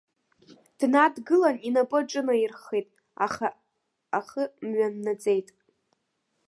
Днадгылан инапы аҿынаирхеит, аха ахы мҩаннаҵеит.